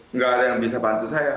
nggak ada yang bisa bantu saya